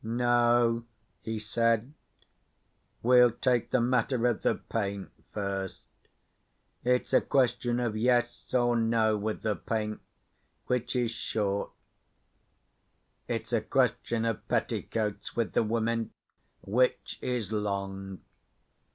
"No," he said, "we'll take the matter of the paint first. It's a question of Yes or No with the paint—which is short. It's a question of petticoats with the women—which is long.